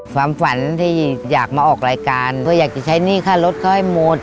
ความฝันที่อยากมาออกรายการเพื่ออยากจะใช้หนี้ค่ารถเขาให้หมด